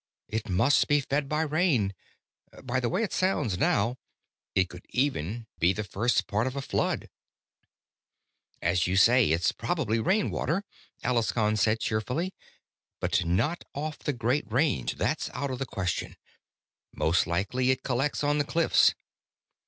"It must be fed by rain. By the way it sounds now, it could even be the first part of a flood." "As you say, it's probably rain water," Alaskon said cheerfully. "But not off the Great Range, that's out of the question. Most likely it collects on the cliffs."